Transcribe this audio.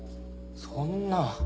そんな。